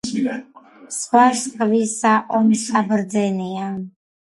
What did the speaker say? სხვა სხვისა ომსა ბრძენია;